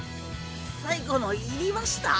最後のいりました？